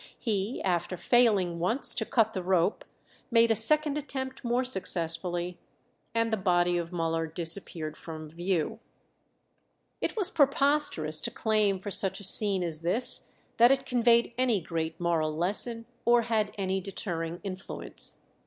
He, after failing once to cut the rope, made a second attempt more successfully, and the body of Müller disappeared from view." It was preposterous to claim for such a scene as this that it conveyed any great moral lesson, or had any deterring influence.